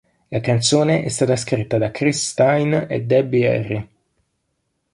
La canzone è stata scritta da Chris Stein e Debbie Harry.